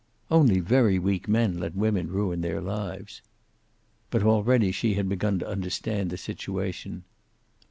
"Only very weak men let women ruin their lives." But already she began to understand the situation.